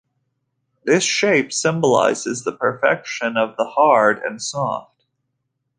This shape symbolizes the perfection of the hard and soft.